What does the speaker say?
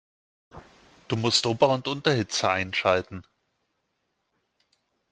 Du musst Ober- und Unterhitze einschalten.